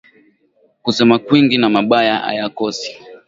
Kusema kwingi na mabaya ayakosi